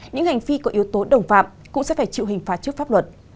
những hành vi có yếu tố đồng phạm cũng sẽ phải chịu hình phạt trước pháp luật